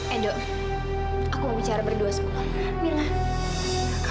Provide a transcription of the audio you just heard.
edo aku mau bicara berdua semua